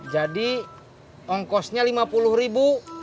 jadi ongkosnya rp lima puluh